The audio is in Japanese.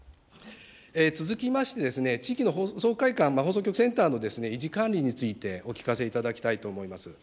続きまして、地域の放送会館、放送局センターの維持管理についてお聞かせいただきたいと思います。